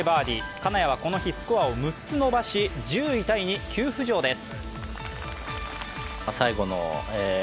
金谷はこの日、スコアを６つ伸ばし１０位タイに急浮上です。